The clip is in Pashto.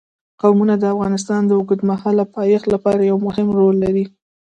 قومونه د افغانستان د اوږدمهاله پایښت لپاره یو مهم رول لري.